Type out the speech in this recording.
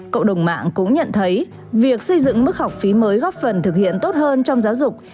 cộng đồng mạng cũng nhận thấy việc xây dựng mức học phí mới góp phần thực hiện tốt hơn trong giáo dục